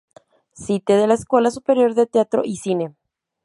Site de la Escuela Superior de Teatro y Cine